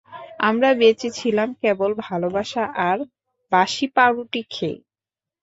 আমরা বেঁচেছিলাম কেবল ভালোবাসা আর বাসি পাউরুটি খেয়ে।